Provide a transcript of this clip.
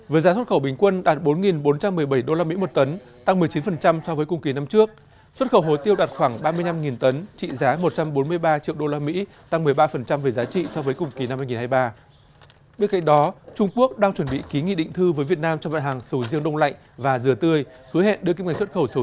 với giá xuất khẩu bình quân đạt bốn bốn trăm một mươi bảy usd một tấn tăng một mươi chín so với cùng kỳ năm trước